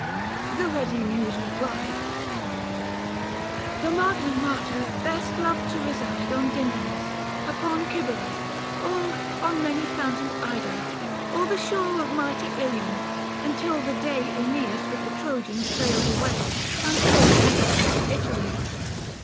The ready muse replied 280 " The Magna Mater best loved to reside On Dindymus, upon Cybele, or On many fountained Ida, or .the shore Of mighty Ilion, until the day iEneas with the Trojans sailed away, 285 Transporting Gods to Italy.